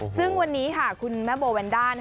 ซึ่งวันนี้ค่ะคุณแม่โบแวนด้า